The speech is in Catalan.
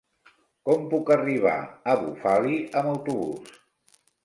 Com puc arribar a Bufali amb autobús?